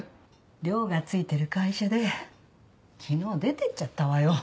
寮が付いてる会社で昨日出てっちゃったわよ。